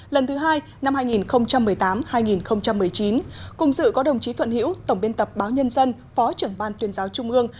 lần thứ hai năm hai nghìn một mươi tám hai nghìn một mươi chín cùng dự có đồng chí thuận hiễu tổng biên tập báo nhân dân phó trưởng ban tuyên giáo trung ương